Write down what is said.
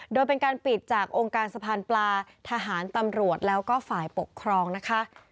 โดยเป็นการปิดจากองค์การสะพานปลาทหารตำรวจแล้วก็ฝ่ายปกครองนะคะ